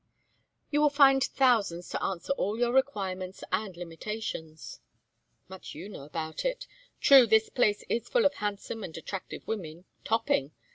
"You will find thousands to answer all your requirements and limitations." "Much you know about it. True, this place is full of handsome and attractive women topping!